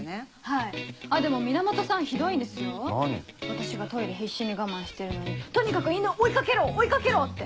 私がトイレ必死に我慢してるのにとにかく犬を追い掛けろ追い掛けろって。